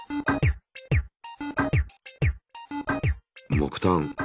木炭。